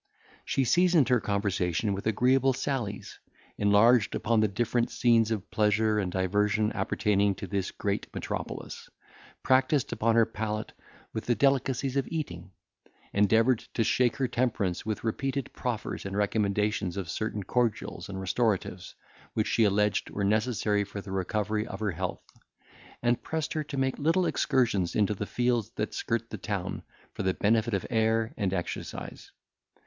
She seasoned her conversation with agreeable sallies; enlarged upon the different scenes of pleasure and diversion appertaining to this great metropolis; practised upon her palate with the delicacies of eating; endeavoured to shake her temperance with repeated proffers and recommendations of certain cordials and restoratives, which she alleged were necessary for the recovery of her health; and pressed her to make little excursions into the fields that skirt the town, for the benefit of air and exercise.